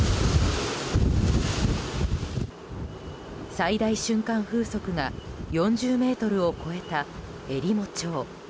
最大瞬間風速が４０メートルを超えたえりも町。